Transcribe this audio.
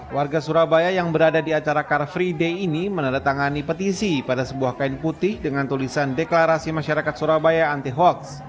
warga surabaya yang berada di acara car free day ini menandatangani petisi pada sebuah kain putih dengan tulisan deklarasi masyarakat surabaya anti hoax